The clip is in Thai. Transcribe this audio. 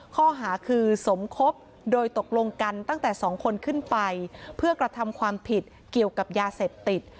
ข้อหาคือสมคบโดยตกลงกันตั้งแต่สองคนขึ้นไปเพื่อกระทำความผิดเกี่ยวกับยาเสพติด